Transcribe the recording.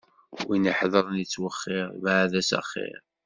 Win ihedṛen ittwexxiṛ, bɛed-as axiṛ!